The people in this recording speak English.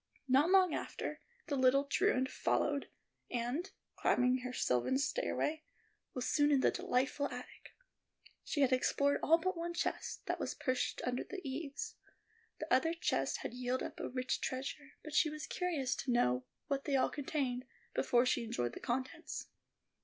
Not long after, the little truant followed and, climbing her sylvan stairway, was soon in the delightful attic. She had explored all but one chest, that was pushed under the eaves. The other chests had yielded up a rich treasure, but she was curious to know what they all contained before she enjoyed the contents.